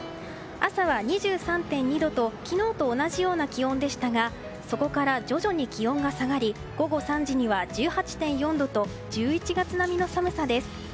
朝は２３．２度と昨日と同じぐらいの気温でしたがそこから徐々に気温が下がり午後３時には１８．４度と１１月並みの寒さです。